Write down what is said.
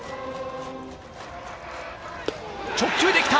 直球できた！